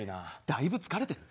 だいぶ疲れてる？